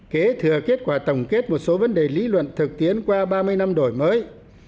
kế thừa kết quả tổng kết một số vấn đề lý luận thực tiễn qua ba mươi năm đổi mới